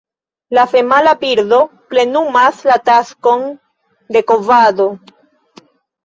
La femala birdo plenumas la taskon de kovado.